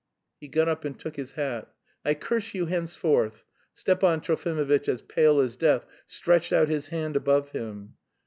He got up and took his hat. "I curse you henceforth!" Stepan Trofimovitch, as pale as death, stretched out his hand above him.